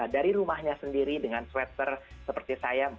dari rumahnya sendiri dengan sweater seperti saya